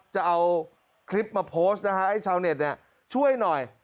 จะเอาคลิปมาโพสต์นะฮะให้ชาวเน็ตช่วยหน่อย